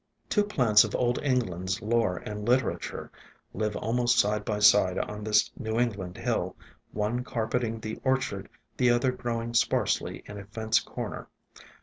Two plants of old England's lore and literature live almost side by side on this New England hill, one carpeting the orchard, the other growing sparsely in a fence corner.